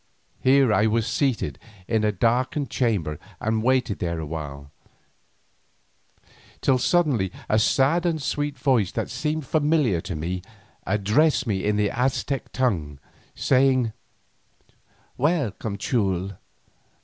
Here I was seated in a darkened chamber and waited there a while, till suddenly a sad and sweet voice that seemed familiar to me, addressed me in the Aztec tongue, saying, "Welcome, Teule."